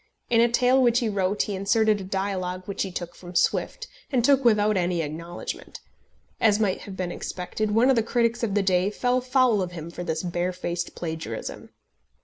In a tale which he wrote he inserted a dialogue which he took from Swift, and took without any acknowledgment. As might have been expected, one of the critics of the day fell foul of him for this barefaced plagiarism.